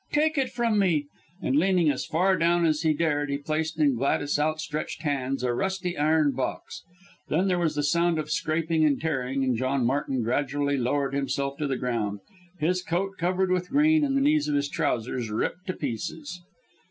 Take it from me." And leaning as far down as he dared, he placed in Gladys's outstretched hands, a rusty iron box. Then there was the sound of scraping and tearing, and John Martin gradually lowered himself to the ground his coat covered with green, and the knees of his trousers ripped to pieces.